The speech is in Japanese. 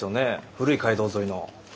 古い街道沿いの。